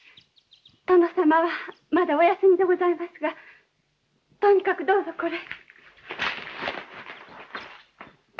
殿様はまだお休みでございますがとにかくどうぞこれへ。